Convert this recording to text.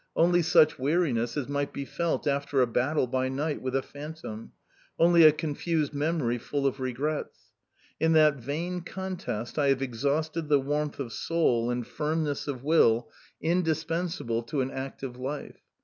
Only such weariness as might be felt after a battle by night with a phantom only a confused memory full of regrets. In that vain contest I have exhausted the warmth of soul and firmness of will indispensable to an active life.